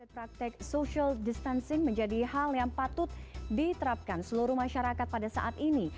praktek social distancing menjadi hal yang patut diterapkan seluruh masyarakat pada saat ini